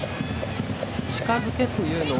「近づけ」というのは。